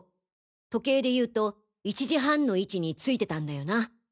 時計でいうと１時半の位置に付いてたんだよな？